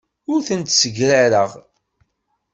Ur tent-ssegrareɣ.